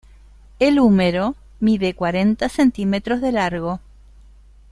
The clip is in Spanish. El húmero mide cuarenta centímetros de largo.